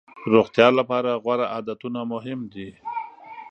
روغتیا لپاره غوره عادتونه مهم دي.